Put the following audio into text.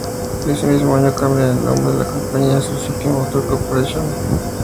Ese mismo año cambian el nombre de la compañía a "Suzuki Motor Corporation".